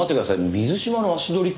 水島の足取りって。